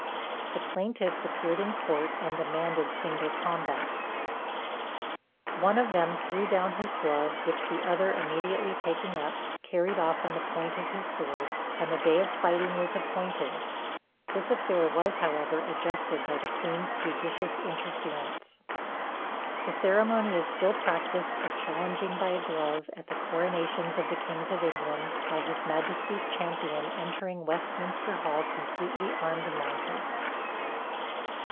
The plaintiffs appeared in court, and demanded single combat. One of them threw down his glove, which the other immediately taking up, carried off on the point of his sword, and the day of fighting was appointed; this affair was, however, adjusted by the queen's judicious interference. The ceremony is still practised of challenging by a glove at the coronations of the kings of England, by his majesty's champion entering Westminster Hall completely armed and mounted.